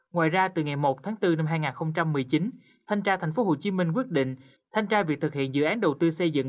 ngoài ra từ ngày một tháng bốn năm hai nghìn một mươi chín thanh tra tp hcm quyết định thanh tra việc thực hiện dự án đầu tư xây dựng